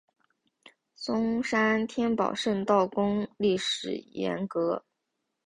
松山天宝圣道宫历史沿革